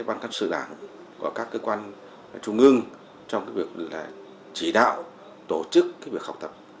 ban căn sự đảng của các cơ quan trung ương trong cái việc là chỉ đạo tổ chức cái việc học tập